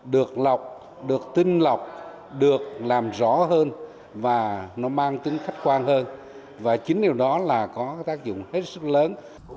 được lọc được tinh lọc được làm rõ hơn và nó mang tính khách quan hơn và chính điều đó là có tác dụng hết sức lớn